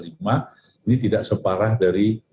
ini tidak separah dari